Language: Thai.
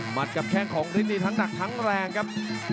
กับแข้งของฤทธินี่ทั้งหนักทั้งแรงครับ